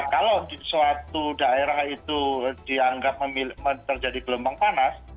kalau di suatu daerah itu dianggap terjadi gelombang panas